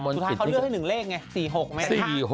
สุดท้ายเขาเลือกให้หนึ่งเลขไง๔๖มั้ย๔๖